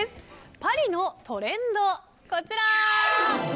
パリのトレンド、こちら。